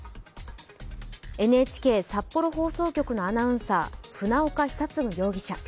ＮＨＫ札幌放送局のアナウンサー船岡久嗣容疑者。